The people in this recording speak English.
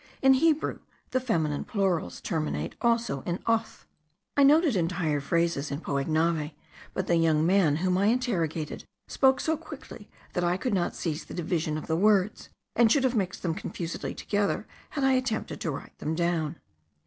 In Hebrew the feminine plurals terminate also in oth. I noted entire phrases in Poignave; but the young man whom I interrogated spoke so quick that I could not seize the division of the words, and should have mixed them confusedly together had I attempted to write them down.